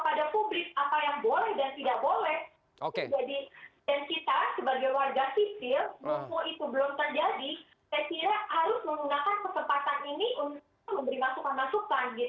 kalau itu belum terjadi saya kira harus menggunakan kesempatan ini untuk memberi masukan masukan gitu